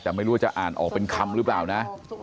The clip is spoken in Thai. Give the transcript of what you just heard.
แต่ไม่รู้ว่าจะอ่านออกเป็นคำหรือเปล่านะ